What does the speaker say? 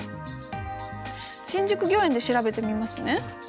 新宿御苑で調べてみますね。